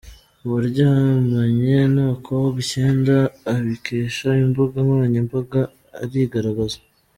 Uwaryamanye n’abakobwa icyenda abikesha imbuga nkoranya mbaga arigaragaza